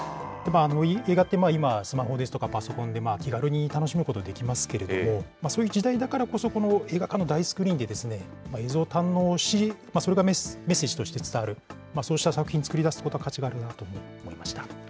映画って、今、スマホですとかパソコンで、気軽に楽しむことできますけれども、そういう時代だからこそ、この映画館の大スクリーンで映像を堪能し、それがメッセージとして伝わる、そうした作品、つくり出すことに価値があるんだなと思いました。